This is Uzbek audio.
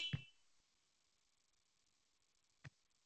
Dasturxonni uch-to‘rt xil kabob bilan to‘ldirdim.